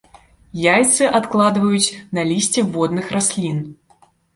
Яйцы адкладваюць на лісце водных раслін.